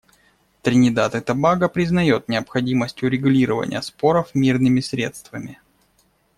Тринидад и Тобаго признает необходимость урегулирования споров мирными средствами.